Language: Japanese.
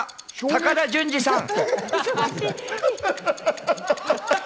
高田純次さん。